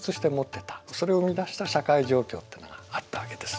それを生み出した社会状況っていうのがあったわけです。